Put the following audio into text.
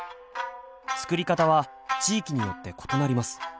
作り方は地域によって異なります。